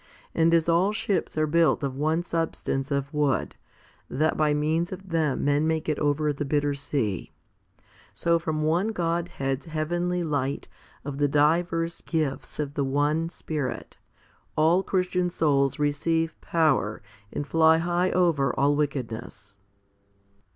And as all ships are built of one substance of wood, that by means of them men may get over the bitter sea, so from one Godhead's heavenly light of the divers gifts of the one Spirit, all Christian souls receive power and fly high over all wickedness.